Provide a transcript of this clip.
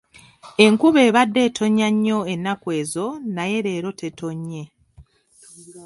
Enkuba ebadde etonnya nnyo ennaku ezo naye leero tetonnye.